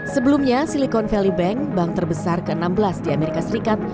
sebelumnya silicon valley bank bank terbesar ke enam belas di amerika serikat